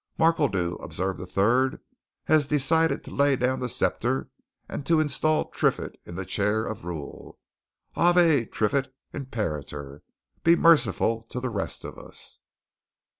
"Markledew," observed a third, "has decided to lay down the sceptre and to instal Triff in the chair of rule. Ave, Triffitt, Imperator! be merciful to the rest of us."